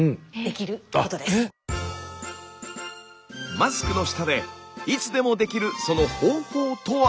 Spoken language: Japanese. マスクの下でいつでもできるその方法とは？